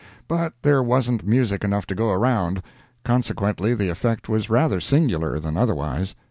But there wasn't music enough to go around: consequently, the effect was rather singular, than otherwise.